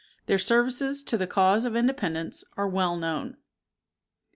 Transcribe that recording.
Their services to the cause of Independence are well known.